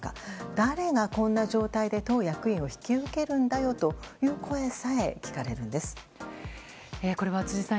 誰がこんな状態で党役員を引き受けるんだよという声さえ辻さん